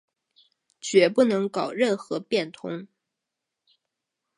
决不能搞任何变通